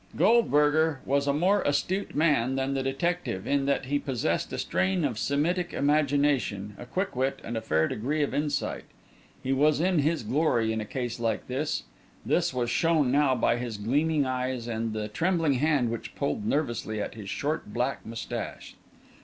Goldberger was a more astute man than the detective, in that he possessed a strain of Semitic imagination, a quick wit, and a fair degree of insight. He was in his glory in a case like this. This was shown now by his gleaming eyes and the trembling hand which pulled nervously at his short, black moustache.